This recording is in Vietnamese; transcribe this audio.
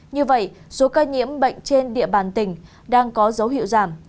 như vậy số ca nhiễm bệnh trên địa bàn tỉnh đang có dấu hiệu giảm